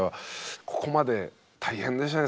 ここまで大変でしたね